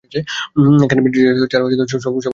একখানি ব্রিটিশ জাহাজ ছাড়া সবগুলিই ভগ্ন হইয়া ডুবিয়া যায়।